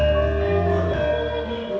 jadi kita harus mengembangkan